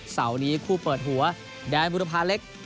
เสาร์นี้คู่เปิดหัวแดนบุรพาเล็ก